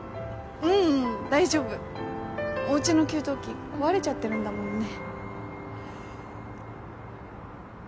ううん大丈夫おうちの給湯器壊れちゃってるんだもんね